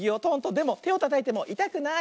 でもてをたたいてもいたくない。